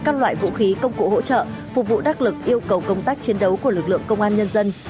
các loại vũ khí công cụ hỗ trợ phục vụ đắc lực yêu cầu công tác chiến đấu của lực lượng công an nhân dân